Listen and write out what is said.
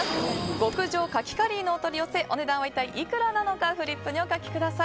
極上かきカリーのお取り寄せお値段は一体いくらなのかフリップにお書きください。